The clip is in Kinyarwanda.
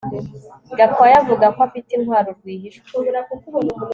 Gakwaya avuga ko afite intwaro rwihishwa